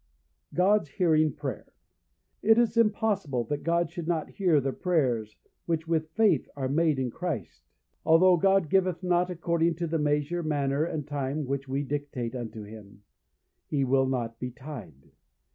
God's hearing Prayer. It is impossible that God should not hear the prayers which with faith are made in Christ, although God giveth not according to the measure, manner, and time which we dictate unto him; he will not be tied.